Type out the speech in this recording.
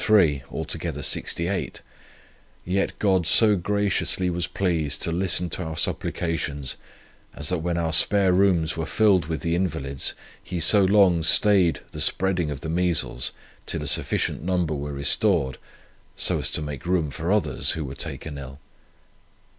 3 altogether 68; yet God so graciously was pleased to listen to our supplications, as that when our spare rooms were filled with the invalids, He so long stayed the spreading of the measles till a sufficient number were restored, so as to make room for others, who were taken ill.